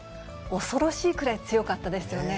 恐ろしいくらい強かったですよね。